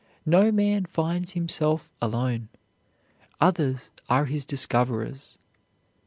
No man finds himself alone. Others are his discoverers.